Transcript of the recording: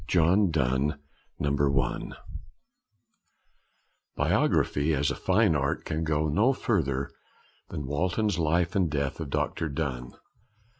_ JOHN DONNE I Biography as a fine art can go no further than Walton's Life and Death of Dr. Donne.